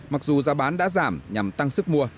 mặc dù giá bán đã giảm nhằm tăng sức mua